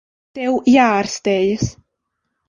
Tev jāārstējas.